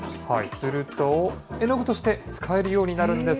すると、絵の具として使えるようになるんです。